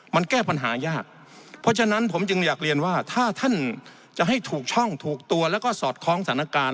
มันแก้ปัญหายากเพราะฉะนั้นผมจึงอยากเรียนว่าถ้าท่านจะให้ถูกช่องถูกตัวแล้วก็สอดคล้องสถานการณ์